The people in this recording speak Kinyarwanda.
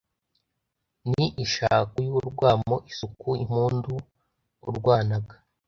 Ni ishako y’urwamo Isuka impundu urwanaga